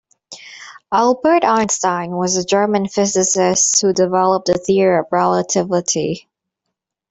Albert Einstein was a German physicist who developed the Theory of Relativity.